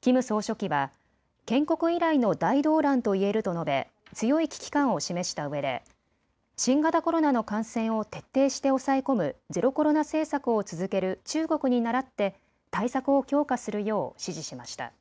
キム総書記は建国以来の大動乱と言えると述べ強い危機感を示したうえで新型コロナの感染を徹底して抑え込むゼロコロナ政策を続ける中国にならって対策を強化するよう指示しました。